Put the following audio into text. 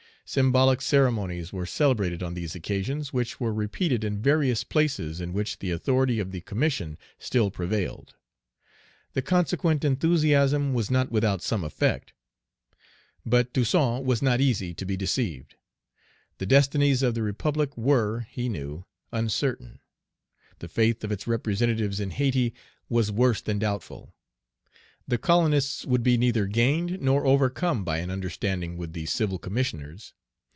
Symbolic ceremonies were celebrated on these occasions, which were repeated in various places in which the authority of the Commission still prevailed. The consequent enthusiasm was not without some effect. But Toussaint was not easy to be deceived. The destinies of the republic were, he knew, uncertain. The faith of its representatives in Hayti was worse than doubtful. The colonists would be neither gained nor overcome by an understanding with the civil Commissioners.